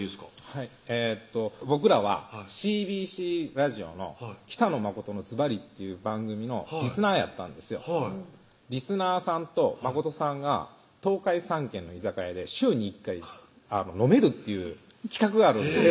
はい僕らはＣＢＣラジオの北野誠のズバリっていう番組のリスナーリスナーさんと誠さんが東海３県の居酒屋で週に１回飲めるっていう企画があるんです